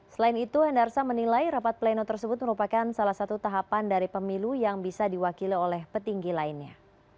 selain itu hendarsa menilai rapat pleno tersebut merupakan salah satu tahapan dari pemilu yang bisa diwakili oleh petinggi lainnya